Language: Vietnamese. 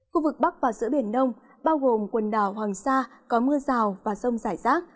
khu vực bắc và giữa biển đông bao gồm quần đảo hoàng sa có mưa rào và rông rải rác